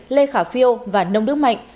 lê khả phiêu và nông đức mạnh